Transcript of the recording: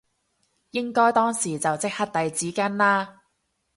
應該當時就即刻遞紙巾啦